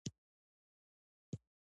بامیان د افغانستان د ځایي اقتصادونو بنسټ دی.